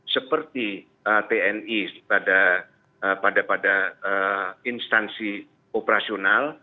seperti tni pada instansi operasional